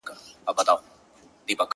دا لار د تلو راتلو ده څوک به ځي څوک به راځي-